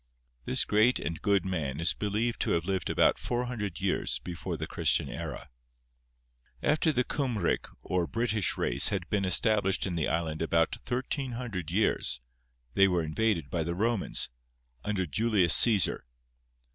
This great and good man is believed to have lived about 400 years before the Christian era. After the Cymric or British race had been established in the island about 1300 years, they were invaded by the Romans, under Julius Cæsar.